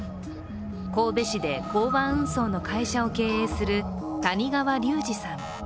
神戸市で港湾運送の会社を経営する谷川龍二さん。